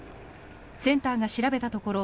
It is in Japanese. センターが調べたところ